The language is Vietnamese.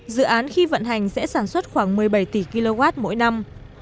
dự án khi vận hành sẽ sản xuất khoảng một mươi bảy tỷ kw mỗi năm